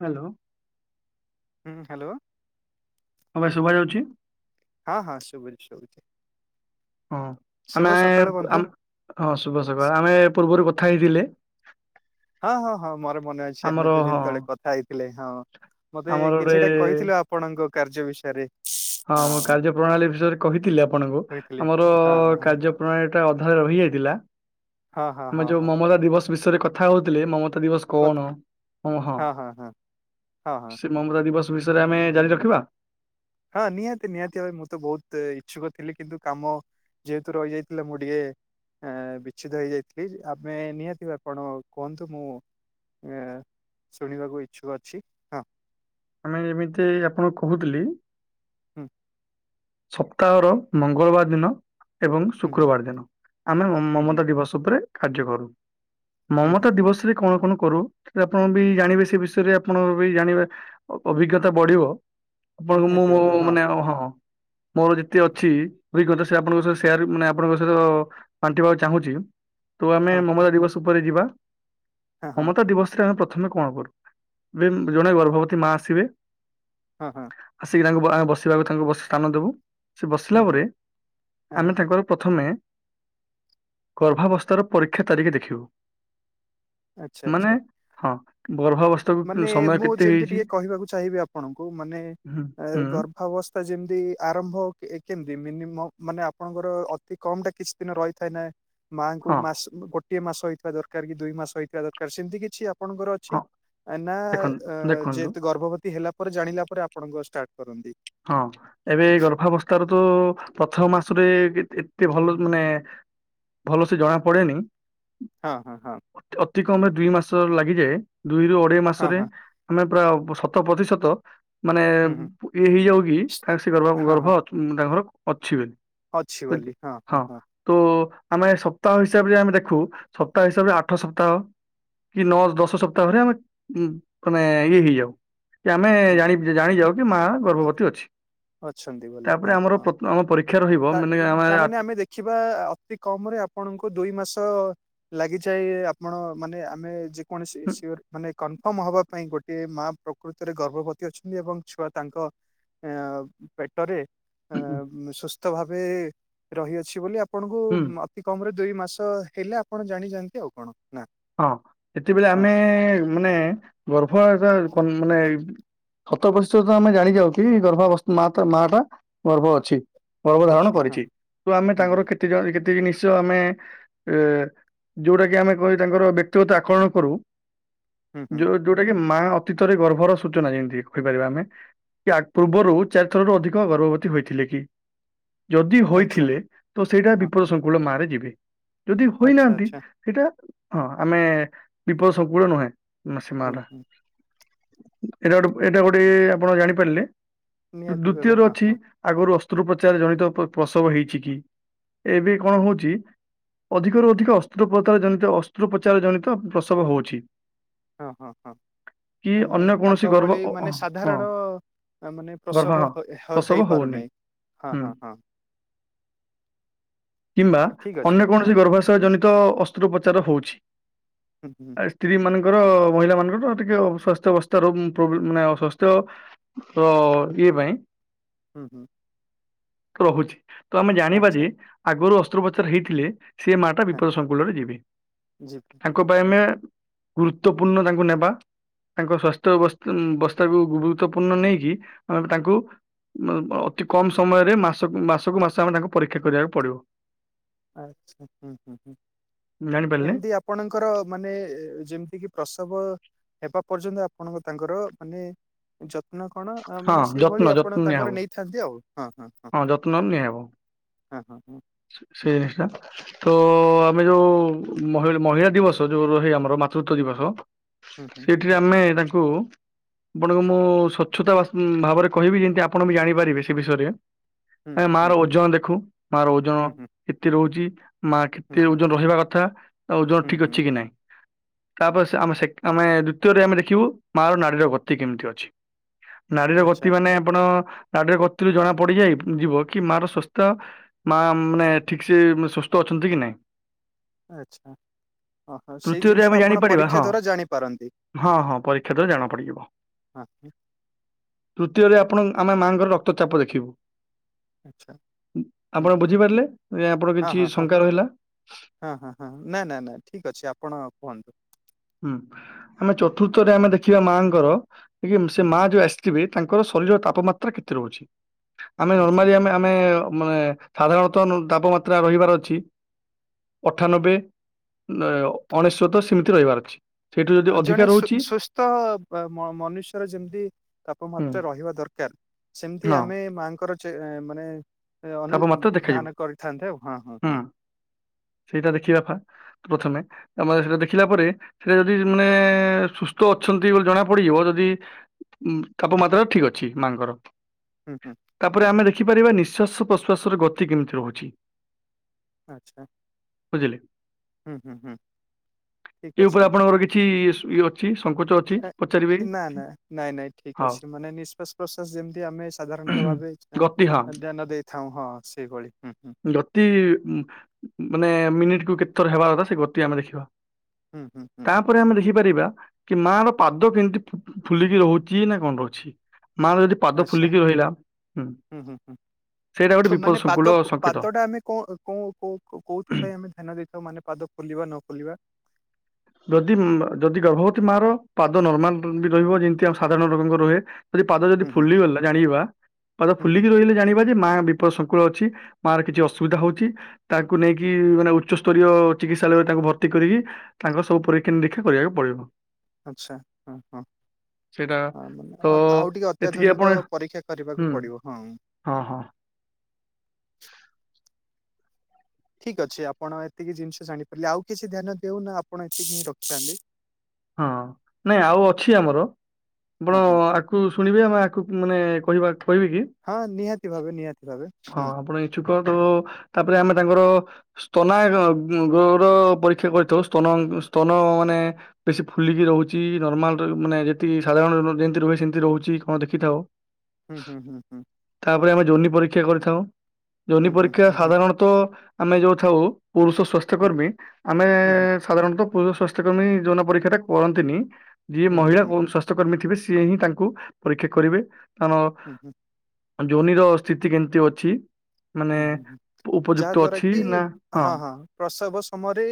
Hello. ହୁଁ hello. ହଁ ଭାଇ ଶୁଭା ଯାଉଛି। ହଁ ହଁ ଶୁବୁଛି ଶୁବୁଛି। ହଁ ଆମେ ହଁ ବନ୍ଧୁ। ଶୁଭ ସକାଳ ଆମେ ପୂର୍ବରୁ କଥା ହେଇଥିଲେ। ହଁ ହଁ ହଁ ମୋର ମନେ ଅଛି ଆମେ ଆମର ଦୁଇ ହଁ ଦିନ ତଳେ କଥା ହେଇଥିଲେ ହଁ ମତେ ଆମର ଗୋଟେ କିଛିଟା କହିଥିଲେ ଆପଣଙ୍କ କାର୍ଯ୍ୟ ବିଷୟରେ? ହଁ ମୁଁ କାର୍ଯ୍ୟ ପ୍ରଣାଳୀ ବିଷୟରେ କହିଥିଲି ଆପଣଙ୍କୁ କହିଥିଲି। ଆମର ହଁ ହଁ କାର୍ଯ୍ୟ କଥାଟା ଅଧାରେ ରହିଯାଇଥିଲା ହଁ ହଁ ଆମେ ହଁ ଯୋଉ ହଁ ମମତା ଦିବସ ବିଷୟରେ କ କଥା ହେଉଥିଲେ ମମତା ଦିବସ କ କୋଉ କଣ ହଁ ହଁ ହଁ। ହଁ ହଁ ସେ ମମତା ଦିବସ ବିଷୟରେ ଆମେ ଜାରି ରଖିବା? ହଁ ନିହାତି ନିହାତି ଭାବେ ମୁଁ ତ ବହୁତ ଇଚ୍ଛୁକ ଥିଲି କିନ୍ତୁ କାମ ଯେହେତୁ ରହିଯାଇଥିଲା ମୁଁ ଟିକେ ବିଚ୍ଛିଦ ହେଇଯାଇଥିଲି ଆମେ ନିହାତି ଆପଣ କୁହନ୍ତୁ ମୁଁ ଶୁଣିବାକୁ ଇଚ୍ଛୁକ ଅଛି। ହଁ ଆମେ ଏମିତି ଆପଣଙ୍କୁ କହୁଥିଲି? ହୁଁ। ସପ୍ତାହର ମଙ୍ଗଳବାର ଦିନ ଏବଂ ହୁଁ ହୁଁ ଶୁକ୍ରବାର ଦିନ ଆମେ ହୁଁ ହୁଁ ମମତା ଦିବସ ଉପରେ କାର୍ଯ୍ୟ କରୁ। ହୁଁ ହୁଁ ମମତା ହୁଁ। ଦିବସରେ କଣ କଣ କରୁ ଆପଣ ବି ଜାଣିବେ ସେ ବିଷୟରେ ଆପଣ ବି ଜାଣିବେ ଅଭିଜ୍ଞତା ବଢିବ ଆପଣ ମୁଁ ନିହାତି ମୋ ଭାବେ ମାନେ ହଁ ମୋର ଯେତେ ଅଛି ଅଭିଜ୍ଞତା ସେ ଆପଣଙ୍କ ସହିତ ସେୟାର ମାନେ ଆପଣଙ୍କ ସହିତ ବାଣ୍ଟିବାକୁ ଚାହୁଁଛି। ତ ଆମେ ହଁ ମମତା ଦିବସ ଉପରେ ଯିବା ହଁ ହଁ ମମତା ଦିବସରେ ଆମେ ପ୍ରଥମେ କଣ କରୁ ଏ ଜଣେ ଗର୍ଭବତୀ ମା ଆସିବେ ହଁ ହଁ। ଆସିକି ତାଙ୍କୁ ବୋ ବସିବାକୁ ତାଙ୍କୁ ସ୍ଥାନ ଦବୁ ସେ ହୁଁ ବସିଲା ହୁଁ ପରେ ହଁ ଆମେ ହଁ ତାଙ୍କର ପ୍ରଥମେ ଗର୍ଭାବସ୍ଥାର ପରୀକ୍ଷା ତାରିଖ୍ ଦେଖିବୁ ଆଚ୍ଛା ମାନେ ଆଚ୍ଛା ହଁ ଗର୍ଭାବସ୍ଥ ମାନେ ମୁଁ ଯେମିତି ଟିକେ କହିବାକୁ ଚାହିଁବି ଆପଣଙ୍କୁ ମାନେ ହୁଁ ହୁଁ ଗର୍ଭାବସ୍ଥା ଯେମିତି ଆରମ୍ଭ କେମତି ମିନିମମ୍ ମାନେ ଆପଣଙ୍କର ଅତି କମ ଟା କିଛି ଦିନ ରହିଥାଏ ନାଁ। ମାଙ୍କୁ ହଁ ମାସ ଗୋଟିଏ ମାସ ହେଇଥିବା ଦରକାର କି ଦୁଇ ମାସ ହେଇଥିବା ଦରକାର ସେମିତି କିଛି ଆପଣଙ୍କର ହଁ ଅଛ? ନା ଦେଖନ୍ତୁ ଦେଖନ୍ତୁ ଯେହେତୁ ଗର୍ଭବତୀ ହେଲା ପରେ ଜାଣିଲା ପରେ ଆପଣଙ୍କ ଷ୍ଟାର୍ଟ କରନ୍ତି। ହଁ ଏବେ ଗର୍ଭାବସ୍ଥାରୁ ତୋ ପ୍ରଥମ ମାସରେ ଏତେ ଭଲ ମାନେ ଭଲ ସେ ଜଣା ପଡେନି ହଁ ହଁ ହଁ। ଅତି କମେ ଦୁଇ ମାସ ଲାଗିଯାଏ ଦୁଇରୁ ଅଢେଇ ହଁ ମାସରେ ହଁ ଆମେ ପ୍ରୁରା ଶତ ପ୍ରତିଶତ ମାନେ ହୁଁ ହୁଁ ଇଏ ହେଇଯାଉ କି ତାଙ୍କ ସେ ଗର୍ ଗର୍ଭ ହଁ ତା ଘର ଅଛିିବେ ଅଛି ବୁଝ- ବୋଲି ହଁ ହଁ। ତ ଆମେ ସପ୍ତାହ ହିସାବରେ ଆମେ ଦେଖୁ ସପ୍ତାହ ହିସାବରେ ଆଠ ସପ୍ତାହ କି ନଅ ଦଶ ସପ୍ତାହରେ ଆମେ ମାନେ ଇଏ ହେଇଯାଉ କି ଆମେ ଜାଣି ହଁ ଜାଣି ଯାଉ କି ମା ଗର୍ଭବତୀ ଅଛି। ଅଛନ୍ତି ବୋଲି ହଁ ତାପରେ ଆମର ହଁ ଆମ ପରୀକ୍ଷା ରହିବ ତା ମାନେ ଆମେ ଆ ତାମାନେ ଦେଖିବା ଅତି କମ୍ ରେ ଆପଣଙ୍କୁ ଦୁଇ ମାସ ଲାଗିଯାଏ ଆପଣ ମାନେ ଆମେ ଯେକୌଣସି ସିୟର ମାନେ କନଫର୍ମ ହେବା ପାଇଁ ଗୋଟିଏ ମା ପ୍ରକୃତିରେ ଗର୍ଭବତୀ ଅଛନ୍ତି ଏବଂ ଛୁଆ ତାଙ୍କ ପେଟରେ ସୁସ୍ଥ ଭାବେ ରହିଅଛି ବୋଲି ଆପଣଙ୍କୁ ହୁଁ ଅ ଅତିକମରେ ଦୁଇ ମାସ ହେଲେ ଆପଣ ଜାଣି ଯାଆନ୍ତି ଆଉ କଣ ନା ୲ ହଁ ସେତେବେଳେ ଆମେ ମାନେ ଗର୍ଭ ଏଭ ମାନେ ସତ ପଶ୍ଚିତ ଆମେ ଜାଣି ଯାଉ କି ଗର୍ଭାବ ମା ମାଟା ଗର୍ଭ ଅଛି। ଗର୍ଭ ଧାରଣ ଅଛି ହଁ କରିଛି ତ ଆମେ ହୁଁ ତାଙ୍କର ହୁଁ ଜଣେ କେତେ ଜିନିଷ ଆମେ ଅ ଯୋଉଟା କି ଆମେ କ ତାଙ୍କର ବ୍ୟକ୍ତିଗତ ଆକଳନ କରୁ ହୁଁ ହୁଁ ଯୋଉ ଯୋଉଟା କି ମା ଅତୀତରେ ଗର୍ଭର ସୂଚନା ଯେମିତି କହିପାରିବା ଆମେ। କି ପୂର୍ବରୁ ଚାରି ଥରରୁ ଅଧିକ ଗର୍ଭବତୀ ହୋଇଥିଲେ କି ଯଦି ଆଚ୍ଛା ହୋଇଥିଲେ ତ ସେଇଟା ହଁ ବିଫଳ ସଂଙ୍କୁଳ ମାରେ ଯିବେ ଯଦି ଆଚ୍ଛା ହୋଇନାହାନ୍ତି ଆଚ୍ଛା ସେଇଟା ହଁ ଆମେ ବିଫଳ ସଂଙ୍କୁଳ ନୁହେଁ ସେ ମା ହୁଁ ଟା। ହୁଁ ଏଇଟା ଗୋଟେ ଏଇଟା ଗୋଟେ ଆପଣ ଜାଣିପାରିଲେ ନିହାତି ଭାବେ ଦ୍ଵିତୀୟରେ ହଁ ଅଛି ହଁ ଆଗରୁ ଅସ୍ତ୍ରୋପଚାର ଜଡିତ ପ୍ରସବ ହେଇଛି କି ଏବେ କଣ ହଉଛି ଅଧିକରୁ ଅଧିକ ଅସ୍ତପତାର ଜନିତ ଅ ଶତ୍ରୋପଚାର ଜନିତ ପ୍ରସବ ହଉଛି। ହଁ ହଁ ହଁ କି ମାନେ ଅନ୍ୟ କୌଣସି ଆଗ ଗର୍ଭ ଭଳି ଅ- ମାନେ ଅ- ହଁ ସାଧାରଣ ମାନେ ଗର୍ଭ ପ୍ରସବ ହଁ ହ ପ୍ରସବ ହେଇ ହଉନି ପାରୁନେହିଁ ହଁ ହୁଁ ହଁ ହଁ। କିମ୍ବା ଠିକ ଅଛି ଅନ୍ୟ ହଁ କୌଣସି ଗର୍ଭାଶୟ ଜନିତ ଅସ୍ତ୍ରୋପଚାର ହଉଛି। ହୁଁ ହୁଁ। ସ୍ତ୍ରୀ ମାନଙ୍କର ମହିଳା ମାନଙ୍କର ଟିକେ ଅ ସ୍ୱାସ୍ଥ୍ୟ ଅବସ୍ଥାରବ୍ଲେ ମାନେ ଅସ୍ୱାସ୍ଥ୍ୟ ହ ଇଏ ପାଇଁ ହୁଁ ହୁଁ। ରହୁଛି ତ ଆମେ ଜାଣିବା ଆଚ୍ଛା ଯେ ଆଗରୁ ଅସ୍ତ୍ରୋପଚାର ହେଇଥିଲେ ସିଏ ମାଟା ହଁ ବିପଦ ସଂକୁଳରେ ଯିବେ। ଯିବି। ତାଙ୍କ ପାଇଁ ଆମେ ଗୁରୁତ୍ୱପୂର୍ଣ୍ଣ ତାଙ୍କୁ ନେବା ତାଙ୍କ ସଵାସ୍ଥ୍ୟସ୍ ଅବସ୍ଥାକୁ ଗୁରୁତ୍ୱପୂର୍ଣ୍ଣ ନେଇକି ଆମେ ତାଙ୍କୁ ଅତି କମ୍ ସମୟରେ ମାସକୁ ମାସକୁ ମାସ ଆମେ ତାଙ୍କୁ ପରୀକ୍ଷା କରିବାକୁ ପଡ଼ିବ। ଆଚ୍ଛା ହୁଁ ହୁଁ ହୁଁ ଜାଣିପାରିଲେ ଏମିତି ଆପ ଆପଣଙ୍କର ମାନେ ଯେମିତି କିି ପ୍ରସବ ହେବା ପର୍ଯ୍ୟନ୍ତ ଆପଣଙ୍କୁ ତାଙ୍କର ମାନେ ଯତ୍ନ କଣ ଆ ହଁ ମାନେ ଯତ୍ନ ସେଇଭଳି ଯତ୍ନ ଆପଣ ନିଆହବ ତାଙ୍କର ନେଇଥାନ୍ତି ଆଉ ହଁ ହଁ। ହଁ ଯତ୍ନ ନିଆ ହବ। ହଁ ହଁ ହଁ। ସେଏସା ତ ଆମେ ଯୋଉ ମହିଳ୍ ମହିଳା ଦିବସ ଯୋଉ ରହେ ଆମର ମାତୃତ୍ୱ ଦିବସ ହୁଁ ହୁଁ। ସେଇଠିରେ ଆମେ ତାଙ୍କୁ ବନେକଅ ମୁଁ ସ୍ୱଚ୍ଛତା ଭାଷ୍ ଉଁ ଭାବରେ କହିବି ଯେନ୍ତି ଆପଣ ବି ଜାଣିପାରିବେ ସେ ବିଷୟରେ। ହୁଁ ଆ ଏ ହୁଁ ହୁଁ ମାର ଓଜନ ଦେଖୁ ମାର ଓଜନ ହୁଁ ହୁଁ ହୁଁ କେତେ ରହୁଚି। ମା ହୁଁ କେତେ ହୁଁ ଓଜନ ରହିବା କଥା ତା ଓଜ ହୁଁ ଠିକ୍ ହୁଁ ଅଛି କି ନାଇଁ। ତାପରେ ସେ ଆମେ ସେକ୍ ଆମେ ଦୁତୀୟରେ ଆମେ ଦେଖିବୁ ମାର ନାଡିର ଗତି କେମିତି ଅଛି। ନାଡିର ଆଚ୍ଛା ଗତି ମାନେ ଆପଣ ନାଡିର ଗତିରୁ ଜଣା ପଡିଯାଏ ବୁ ଉଁ ଯିବ କି ମାର ସ୍ବସ୍ତା ମା ମାନେ ଠିକ୍ ସେ ସ୍ଵସ୍ତ ଅଛନ୍ତି କି ନାଇଁ। ଆଚ୍ଛା। ଓ ହୋ ସେଇ ତୃତୀୟରେ ଜିନିଷ ଆମେ ଆପଣ ଜାଣିପାରିବା ପରୀକ୍ଷା ହଁ ଦ୍ଵାରା ଜାଣିପାରନ୍ତି। ହଁ ହଁ ପରୀକ୍ଷା ଦ୍ଵାରା ଜଣା ପଡିଯିବ। ଆଁ ଇଁ। ତୃତୀୟରେ ଆପଣ ଉଁ ଆମ ମାଆଙ୍କର ରକ୍ତଚାପ ଦେଖିବୁ। ଆଚ୍ଛା। ହୁଁ ଆପଣ ହୁଁ ବୁଝିପାରିଲେ ରେ ଆପଣ ହଁ କିଛି ହଁ ହଁ ଶଙ୍କା ରହିଲା। ହଁ ହଁ ହଁ ନା ନା ନା ଠିକ୍ ଅଛି ଆପଣ କୁହନ୍ତୁ। ହୁଁ ଆମେ ହୁଁ ଚଥୁର୍ଥରେ ଆମେ ଦେଖିବା ମାଙ୍କର କି ଉଁ ସେ ହୁଁ ମାଆ ଯୋଉ ଆସ୍ ଥିବେ ତାଙ୍କର ଶରୀର ତାପମାତ୍ରା କେତେ ରହୁଛି। ଆମେ ଆଚ୍ଛା ନର୍ମାଲି ହୁଁ ଆମେ ଆମେ ଏ ମା ଏ ସାଧାରଣତଃ ନୁ ତାପମାତ୍ରା ରହିବାର ଅଛି ଅଠାନବେ ନା ଏ ଅ ଅଣେଶୋତ ସିମିତି ରହିବାର ଅକ୍ସି। ଆ ଜଣେ ସୁ ସୁସ୍ତ ବ୍ ଆ ମ ମନୁଷ୍ୟର ଯେମତି ହୁଁ ତାପମାତ୍ରା ରହିବା ଦରକାର୍ ସେମତି ହଁ ଆମେ ମାଆଙ୍କର ଚେ ଏଁ ମାନେ ଏ ଅନୁ ଉଁ ତାପମାତ୍ରା ଉଁ ଦେଖାଯିବ ଧାନ କରିଥାନ୍ତେ ଆଉ ହଁ ହଁ ହୁଁ ହଁ। ସେଇଟା ଦେଖିବା ଫା ପ୍ରଥମେ ଆମର ସେଇଟା ଦେଖିଲା ପରେ ସେ ଯଦି ମାନେ ସୁସ୍ତ ଅଛନ୍ତି ବୋଲି ଜଣାପଡିଯିବ ଯଦି ଉଁ ତାପମାତ୍ରା ଠିକ୍ ଅଛି ମାଆଙ୍କର। ହୁଁ ହୁଁ। ତାପରେ ଆମେ ଦେଖିପାରିବା ନିଶ୍ୱାସ ପ୍ରଶ୍ୱାସର ଗତି କେମିତି ରହୁଛି। ଆଚ୍ଛା। ବୁଝିଲେ। ହୁଁ ହୁଁ ହୁଁ। ଠିକ୍ ଏଇ ଅଛି। ଉପରେ ଆପଣଙ୍କର କିଛି ଇଏ ସୁ ଇଏ ଅଛି ସଙ୍କୋଚ ଅଛି ଏ, ପଚାରିବେ। ନା ନା ନାଇଁ ନାଇ। ଠିକ୍ ହଁ। ଅଛି ମାନେ ନିଶ୍ୱାସ ପ୍ରଶ୍ୱାସ ଯେମତି ଆମେ ସାଧାରଣତଃ ଭାବେ ଏଁ ଗତି ହଁ ଧ୍ୟାନ ଦେ ଥାଉଁ ହଁ ସେଇଭଳି ହୁଁ ହୁଁ। ଦତି ଉଁ ଉଁ ଉଁ ମାନେ ମିନିଟକୁ କେତେଥର ହେବା ଆବଶ୍ୟ ସେ ଗତି ଆମେ ଦେଖିବା। ହୁଁ ହୁଁ ହୁଁ। ପରେ ଆମେ ଦେଖିପାରିବା କି ମାର ପାଦ କିନ୍ତି ଫୁ ଫୁ ଫୁଲିକି ରହୁଚି ନାଁ କଣ ରହୁଛି। ମାର ଯଦି ପାଦ ଆଚ୍ଛା ଫୁଲିକି ରହିଲା ହୁଁ ହୁଁ ହୁଁ ହୁଁ ସେଇଟା ଗୋଟେ ଠୁ ବିପଦ ମାନେ ପାଦ ସଙ୍କୁଳ ସ ପାଦଟା ଆମେ କଁ କଁ କୋଉ କୋଉ କୋଉଥିପାଇଁ ଆମେ ଧ୍ୟାନ ଦେଇଥାଉ ମାନେ ପାଦ ଫୁଲିବା ନ ଫୁଲିବା। ଯଦି ଉଁ ମା ଯଦି ଗର୍ଭବତୀ ମାର ପାଦ ନର୍ମାଲ ଇନ୍ତି ରହିବ ଯିନ୍ତି ଆମ ସାଧାରଣ ଲୋକଙ୍କ ରହେ ଯଦି ପାଦ ଯଦି ହୁଁ ହୁଁ ଫୁଲିଗଲା ଜାଣିବା ପାଦ ହୁଁ ହୁଁ ଫୁଲିକି ରହିଲେ ଜାଣି ବା ଯେ ମା ବିପଦ ସଂଙ୍କୁଳ ଅଛି ମାର କିଛି ଅସୁବିଧା ହଉଛି। ତାକୁ ନେଇକି ମାନେ ଉଚ୍ଚସ୍ତରୀୟ ଚିକିତ୍ସାଳୟରେ ତାକୁ ଭର୍ତ୍ତି କରିକି ତାଙ୍କର ସବୁ ପରୀକ୍ଷା ନିରୀକ୍ଷା କରିବାକୁ ପଡିବ। ଆଚ୍ଛା ହଁ ହଁ। ସେଇଟା ହଁ ମାନେ ତ ଆଉ ଟିକେ ଏତିକି ଆପଣ ଅତ୍ୟାଧୁନିକ ପରୀକ୍ଷା ହୁଁ କରିବାକୁ ପଡିବ ହଁ। ହଁ ହଁ। ଠିକ୍ ଅଛି ଆପଣ ଏତିକି ଜିନିଷ ଜାଣିପାରିଲେ ଆଉ କିଛି ଧ୍ୟାନ ଦଉ ନା ଆପଣ ଏତିକି ହିଁ ରଖିଥାନ୍ତି। ହଁ ନାଇଁ ଆଉ ଅଛି ଆମର ହଁ ଆପଣ ହଁ। ‌ଆ କୁ ଶୁଣିବେ ଆମେ ଆକୁ ମାନେ କହିବା କହିବେ କି? ହଁ -ନିହାତି ଭାବେ ନିହାତି ଭାବେ ହୁଁ। ଛୁକ [unintelligible] ତାପରେ ଆମେ ତାଙ୍କର ସ୍ତନାୟକ [unintelligible] ପରୀକ୍ଷା କରିଥାଉ ସ୍ତନ ସ୍ତନ ମାନେ ବେଶୀ ଫୁଲିକି ରହୁଚି ନର୍ମାଲରେ ମାନେ ଯେତିକି ସାଧାରଣ ଯେମିତି ରୁହେ ସେମିତି ରହୁଚି କଣ ଦେଖିଥାଅ। ହୁଁ ହୁଁ ହୁଁ ହୁଁ। ତାପରେ ଆମେ ଯୋନି ପରୀକ୍ଷା କରିଥାଉ ଯୋନି ହୁଁ ହୁଁ ପରୀକ୍ଷା ହୁଁ ସାଧାରଣ ଆମେ ଯୋଉ ଥାଉ ପୁରୁଷ ସ୍ଵାସ୍ଥକର୍ମୀ ଆମେ ହୁଁ ହୁଁ। ସାଧାରଣତ ପୁରୁଷ ସ୍ଵାସ୍ଥକର୍ମୀ ଯୌନ ପରୀକ୍ଷା ଟା କରନ୍ତିନି ଯିଏ ହୁଁ ହୁଁ ହୁଁ ହୁଁ ମହିଳା ହୁଁ ଓ ସ୍ଵାସ୍ ସ୍ଥକର୍ମୀ ଥିବେ ସିଏ ହିଁ ତାଙ୍କୁ ପରୀକ୍ଷା କରିବେ କାରଣ ହୁଁ ହୁଁ। ଯୋନି ର ସ୍ଥିତି କେମିତି ଅଛି? ମାନେ ହୁଁ ହୁଁ ହୁଁ ଉପଯୁକ୍ତ ଯାହାଦ୍ୱାରା ଅଛି କି ନା ହଁ ହଁ। ପ୍ରସବ ସମୟରେ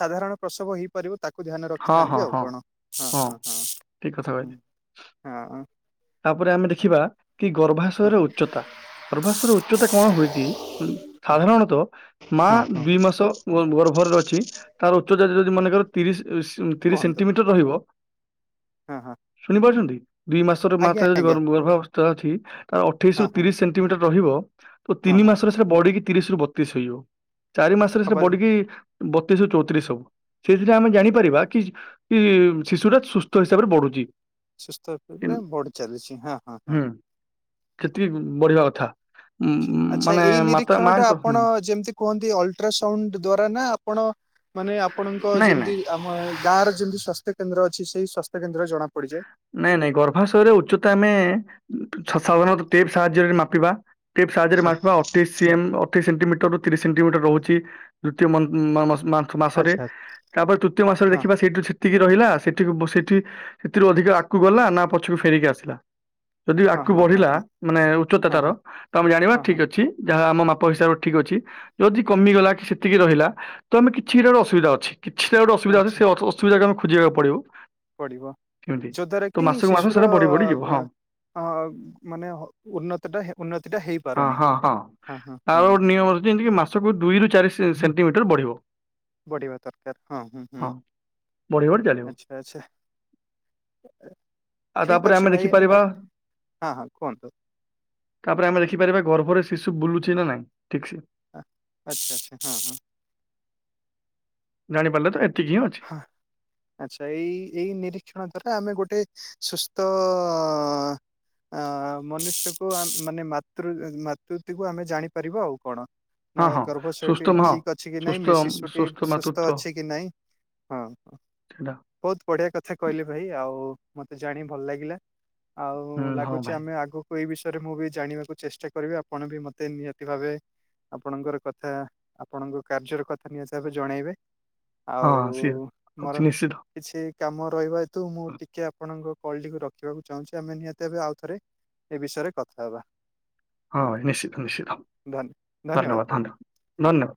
ସାଧାରଣ ପ୍ରସବ ହେଇପାରିବ ତାକୁ ଧ୍ୟାନ ହଁ ହଁ ରଖିଥାନ୍ତି ଆଉ ହଁ କଣ ହଁ ହଁ ଠିକ କଥା କହିଲେ। ହଁ ହଁ ହଁ। ତାପରେ ଆମେ ଦେଖିବା କି ହଁ ଗର୍ଭାଶୟରେ ଉଚ୍ଚତା। ଗର୍ଭାଶୟର ଉଚ୍ଚତା କଣ ହୁଏକି ଉଁ ସାଧାରଣତ ମା ହଁ ହଁ ଦୁଇ ମାସ ଗଭ ଗର୍ଭରେ ଅଛି ତାର ଉଚ୍ଚତା ଯଦି ମନେକର ତିରିଶ୍ ତିରିଶ୍ କୁହନ୍ତୁ ସେଣ୍ଟିମିଟର ରହିବ ହଁ ହଁ ଶୁଣିପାରୁଚନ୍ତି ଦୁଇ ମାସରେ ମା ଆଜ୍ଞା ତା ଯଦି ଆଜ୍ଞା ଗର୍ ଗର୍ଭାବସ୍ଥା ଅଛି। ତ ଅଠେଇଶ୍ ହଁ ରୁ ହଁ ତିରିଶ୍ ସେଣ୍ଟିମିଟର ରହିବ ତ ହଁ ତିନି ହଁ ମାସରେ ସେଟା ବଢିକି ତିରିଶ ରୁ ବତିଶ ହେଇଯିବ। ଚାରି ମାସରେ ସେଟା ହବା ବଡିକି ବତିଶ୍ ରୁ ଚଉତିରିଶ୍ ହବ ସେଇଥିରୁ ଯଦି ଆମେ ଜାଣିପାରିବା କି ଉଁ ଶିଶୁ ଟା ସୁସ୍ଥ ହିସାବରେ ବଢୁଚି। ସୁସ୍ଥ ପିଲା ବଢି ଚାଲିଚି ହଁ। ହଁ ହଁ। ହୁଁ ସେତିକି ବଢିବା କଥା। ଉଁ ଆଚ୍ଛା ମାନେ ଏଇ ମାତା ନିରୀକ୍ଷଣ ଟା ମାଆଙ୍କ ହୁଁ ଆପଣ ଯେମିତି କୁହନ୍ତି ଅଲଟ୍ରାସାଉଣ୍ଡ୍ ଦ୍ଵାରା ନା ଆପଣ ମାନେ ଆପଣଙ୍କ ନାଇଁ ନାଇଁ। ଯେମିତି ଆମ ଗାଁ ର ଯେମିତି ସ୍ୱାସ୍ଥ୍ୟ କେନ୍ଦ୍ର ଅଛି ସେଇ ସ୍ୱାସ୍ଥ୍ୟ କେନ୍ଦ୍ରରେ ଜଣା ପଡିଯାଏ। ନାଇଁ ନାଇଁ ଗର୍ଭାଶୟରେ ଉଚ୍ଚତା ଆମେ ଉଁ ସାଧାରଣତଃ ଟେପ୍ ସାହାଯ୍ୟରେ ମାପିବା। ଟିପ୍ ସାହାଯ୍ୟ ରେ ମାପିବା ଅ [unintelligible] ଅଠେଇଶ୍ ସେଣ୍ଟିମିଟର ରୁ ତିରିଶ୍ ସେଣ୍ଟିମିଟର ରହୁଚି [unintelligible] ମାସରେ ଆଚ୍ଛା ଆଚ୍ଛା ତାପରେ ତୃତୀୟ ମାସରେ ଦେଖିବା ହଁ ସେଇଠୁ ସେତିକି ରହିଲା ସେଠୁ ସେଠି ସେଥିରୁ ଅଧିକ ଆ ଗକୁ ଗଲା ନା ପଛକୁ ଫେରିକି ଆସିଲା। ଯଦି ଆଗକୁ ହଁ ହଁ ବଢିଲା ହଁ ମାନେ ଉଚ୍ଚତା ହଁ ତାର ହଁ ତ ଆମେ ଜାଣିବା ହଁ ହଁ ହଁ ଠିକ୍ ଅଛି। ଯାହା ଆମ ମାପ ହିସାବରେ ଠିକ୍ ଅଛି ଯଦି କମିଗଲା କି ସେତିକି ରହିଲା ତ ଆମେ କିଛିଟା ଗୋଟେ ଅସୁବିଧା ଅଛି କିଛିଟା ଗୋଟେ ଅସୁବିଧା ଆଚ୍ଛା ଅଛି ଅସୁବିଧାକୁ ‌ଆମକୁ ଖୋଜିବାକୁ ପଡିବ। ପଡିବ ସେମିତି ଯ ଦ୍ଵାରା ତ କି ମାସକୁ ମାସ ଶିଶୁର ସେଟା ବଢି ବଢିଯିବ ହଁ ଅ ଅ ମାନେ ଉନ୍ନତିଟା ହଁ ଉନ୍ନତିଟା ହଁ ହେଇପାରୁନି ହଁ ହଁ ହଁ ହଁ। [unintelligible] ମାସକୁ ଦୁଇ ରରୁ ଚାରି ସେ-ସେଣ୍ଟିମିଟର ବଢିବ। ବଢିବା ଦରକାର। ହଁ, ହୁଁ, ହୁଁ, ବଢି ବଢି ଚାଲିବ। ଆଛା। ଆଚ୍ଛା। ଆଉ ଠିକ ତାପରେ ଆମେ ଅଛି ଭାଇ ଦେଖିପାରିବା ହଁ ହଁ କୁହନ୍ତୁ। ତାପରେ ଆମେ ଦେଖିପାରିବା ଗର୍ଭରେ ଶିଶୁ ବୁଲୁଛି ନା ନାଇଁ ଠିକ୍ ସେ। ହଁ, ଆଚ୍ଛା ଆଚ୍ଛା ହଁ, ହଁ,। ଜାଣିପାରିଲେ ତ ଏତିକି ହିଁ ଅଛି। ହଁ। ଆଚ୍ଛା ଏଇ ଏଇ ନିରୀକ୍ଷଣ ଦ୍ଵାରା ଆମେ ଗୋଟେ ସୁସ୍ଥ ଅ ମନୁଷ୍ୟକୁ ମାନେ ମାତୃ ମାତୃତ୍ଵ ଆମେ ଜାଣିପାରିବା ଆଉ କଣ। ନା ହଁ ହଁ ସୁସ୍ଥ ଗର୍ଭଶୟଟି ହଁ ଠିକ୍ ଅଛି କି ନାଇଁ? ସୁସ୍ଥ ମେ ଶିଶୁଟି ସୁସ୍ଥ ମାତୃତ୍ୱ ଅଛି କି ନାଇଁ? ହଁ, ହଁ, ସେଟା ବହୁତ ବଢିଆ କଥା କହିଲେ ଭାଇ ଆଉ ମତେ ଜାଣି ଭଲ ଲାଗିଲା। ହୁଁ ଆଉ ହଁ ଲାଗୁଛି ଭାଇ ଆମେ ଆଗକୁ ଏଇ ବିଷୟରେ ମୁଁ ବି ଜାଣିବାକୁ ଚେଷ୍ଟା କରିବି ଆପଣ ବି ମତେ ନିହାତି ଭାବେ ଆପଣଙ୍କର କଥା ଆପଣଙ୍କ କାର୍ଯ୍ୟର କଥା ନିହାତି ଭାବେ ଜଣେଇବେ ଆଉ ହଁ, ସିଓର ମୋର ନିଶ୍ଚିତ। କିଛି କାମ ରହିବା ହେତୁ, ମୁଁ ଟିକେ ଆପଣଙ୍କ କଲଟିକୁ ରଖିବାକୁ ଚାହୁଁଛି ଆମେ ନିହାତି ଭାବେ ଆଉଥରେ ଏ ବିଷୟରେ କଥା ହେବା। ହଁ, ଭାଇ ନିଶ୍ଚିତ, ନିଶ୍ଚିତ, ଧନ୍ୟ ଧନ୍ୟବାଦ, ଭାଇ ହଁ। ଧନ୍ୟବାଦ, ଧନ୍ୟବାଦ।